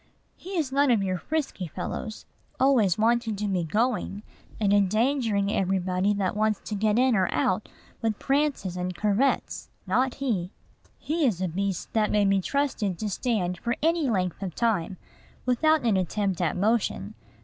He is none of your frisky fellows, always wanting to be going, and endangering everybody that wants to get in or out with prances and curvets, not he! He is a beast that may be trusted to stand for any length of time without an attempt at motion.